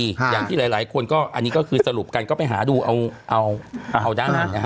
อย่างที่หลายคนคือสรุปกันก็ไปหาดูเอาด้านหน่ายนะครับ